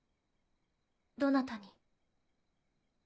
どなたに？